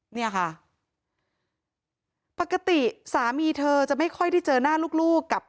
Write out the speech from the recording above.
เนี่ยค่ะ